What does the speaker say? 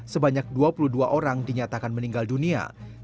sebanyak dua puluh dua orang dinyatakan meninggal dunia